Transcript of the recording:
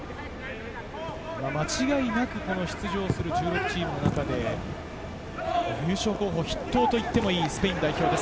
間違いなく出場する１６チームの中で、優勝候補筆頭といってもいいスペイン代表です。